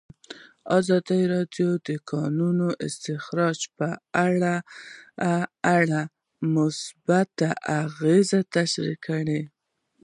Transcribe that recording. ازادي راډیو د د کانونو استخراج په اړه مثبت اغېزې تشریح کړي.